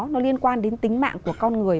nó liên quan đến tính mạng của con người